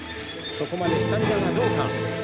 そこまでスタミナがどうか。